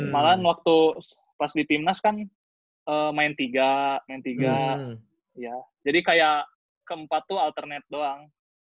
malah waktu pas di timnas kan main tiga main tiga jadi kayak ke empat tuh alternate doang